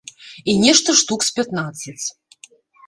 І нешта штук з пятнаццаць.